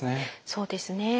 そうですね。